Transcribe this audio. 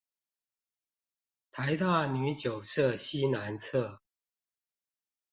臺大女九舍西南側